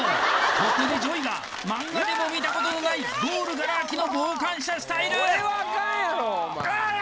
ここでＪＯＹがマンガでも見たことのないゴールガラあきの傍観者スタイルおりゃ！